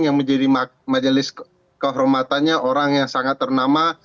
yang menjadi majelis kehormatannya orang yang sangat ternama